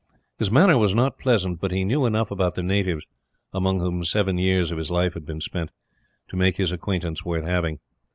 His manner was not pleasant, but he knew enough about the natives, among whom seven years of his life had been spent, to make his acquaintance worth having.